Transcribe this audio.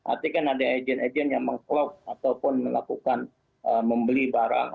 artinya kan ada agent agent yang meng clock ataupun melakukan membeli barang